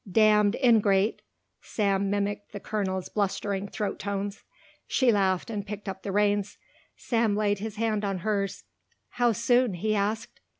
"Damned ingrate," Sam mimicked the colonel's blustering throat tones. She laughed and picked up the reins. Sam laid his hand on hers. "How soon?" he asked.